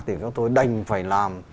thì các tôi đành phải làm